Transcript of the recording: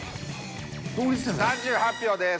３８票です。